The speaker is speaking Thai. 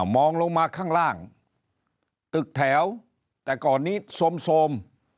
มองลงมาข้างล่างตึกแถวแต่ก่อนนี้โซม